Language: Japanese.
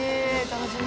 楽しみ。